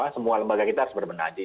semua lembaga kita harus berbenahi